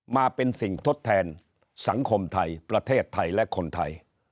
มาเป็นสิ่งทดแทนสังคมไทยประเทศไทยและคนไทย